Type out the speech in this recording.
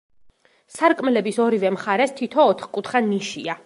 სარკმლების ორივე მხარეს თითო ოთკუთხა ნიშია.